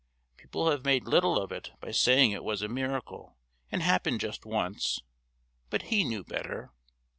People have made little of it by saying it was a miracle and happened just once, but He knew better.